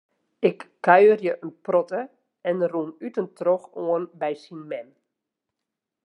Ik kuiere in protte en rûn út en troch oan by syn mem.